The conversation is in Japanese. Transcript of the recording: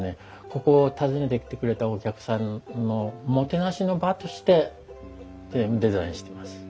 ここを訪ねてきてくれたお客さんのもてなしの場としてデザインしてます。